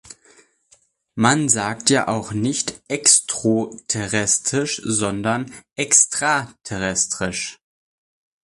Man sagt ja auch nicht extroterrestrisch, sondern extraterrestrisch.